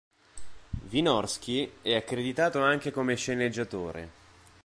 Wynorski è accreditato anche come sceneggiatore.